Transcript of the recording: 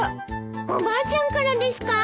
おばあちゃんからですか？